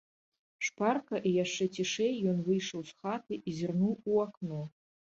Шпарка і яшчэ цішэй ён выйшаў з хаты і зірнуў у акно.